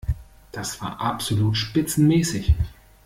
Das war absolut spitzenmäßig!